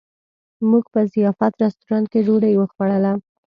موږ په ضیافت رسټورانټ کې ډوډۍ وخوړله.